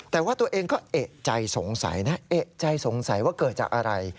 แต่ว่าตัวเองก็เอกใจสงสัยนะเอกใจสงสัยว่าเกิดจากอะไร